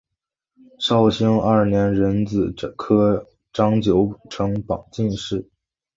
绍兴二年壬子科张九成榜进士。